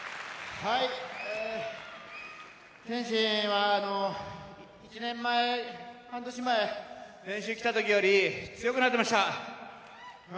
天心は１年前、半年前練習来た時より強くなってました。